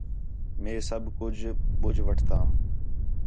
مئے سب کُج بجھ وٹھتام